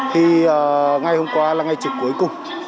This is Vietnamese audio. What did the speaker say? thì ngày hôm qua là ngày trực cuối cùng